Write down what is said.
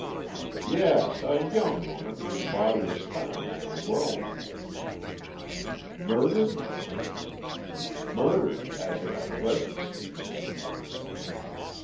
"Yes; a young woman, whose body was found in the Rhone." "Murdered?" "Murdered, as it at present seems."